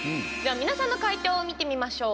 皆さんの解答を見てみましょう。